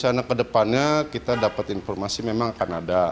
untuk rencana ke depannya kita dapat informasi memang akan ada